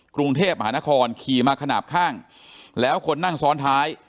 กรุงเทพมหานครขี่มาขนาดข้างแล้วคนนั่งซ้อนท้าย